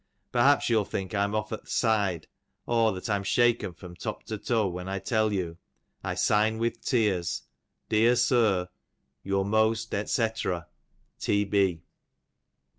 Perhaps you'll think I'm off at th'side, or that I'm shaken irom top to toe, when I tell you I sign with tears, Dear Sir, Your most &c. « T.3. P.